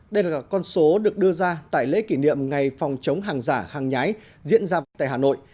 đây là con số được đưa ra tại lễ kỷ niệm ngày phòng chống hàng giả hàng nhái diễn ra tại hà nội